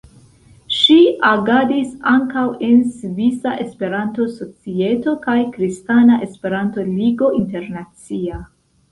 Ŝi agadis ankaŭ en Svisa Esperanto-Societo kaj Kristana Esperanto-Ligo Internacia.